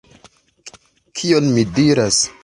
Kion mi diras?